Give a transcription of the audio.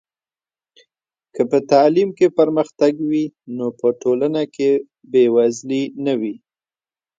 که په تعلیم کې پرمختګ وي نو په ټولنه کې بې وزلي نه وي.